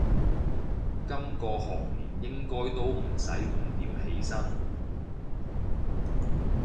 今個學年應該都唔使五點起身